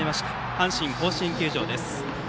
阪神甲子園球場です。